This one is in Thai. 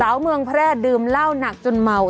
สาวเมืองแพร่ดื่มเหล้าหนักจนเมา